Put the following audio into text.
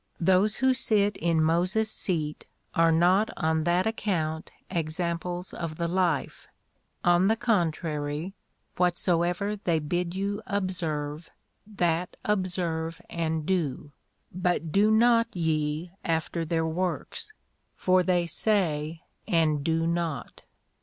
Those who sit in Moses' seat are not on that account examples of the "life;" on the contrary, "whatsoever they bid you observe, that observe and do; but do not ye after their works, for they say and do not."